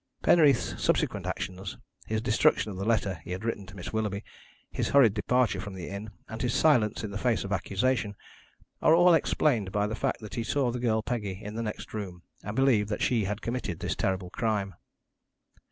"Penreath's subsequent actions his destruction of the letter he had written to Miss Willoughby, his hurried departure from the inn, and his silence in the face of accusation are all explained by the fact that he saw the girl Peggy in the next room, and believed that she had committed this terrible crime.